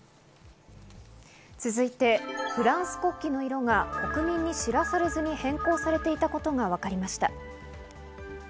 続いてフランス国旗の色が国民に知らされずに変更されていたことがわかりました。